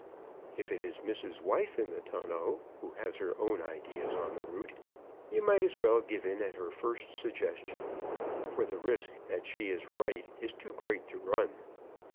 If it is Mrs. Wife in the tonneau who has her own ideas on the route, you might as well give in at her first suggestion, for the risk that she is right is too great to run.